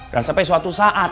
dan sampai suatu saat